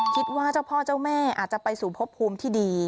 คิดว่าเจ้าพ่อเจ้าแม่อาจจะไปสู่พบภูมิที่ดี